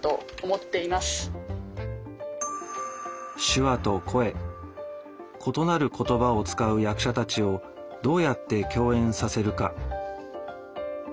手話と声異なる言葉を使う役者たちをどうやって共演させるか。